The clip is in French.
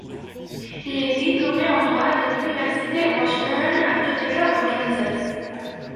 Il est diplômé en droit de l'université Washburn à Topeka, au Kansas.